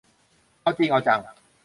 เอาจริงเอาจัง